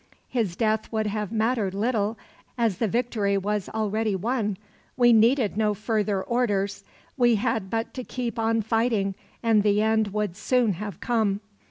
His death would have mattered little, as the victory was already won. We needed no further orders. We had but to keep on fighting, and the end would soon have come.